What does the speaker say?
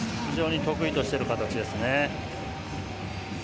非常に得意としている形ですね。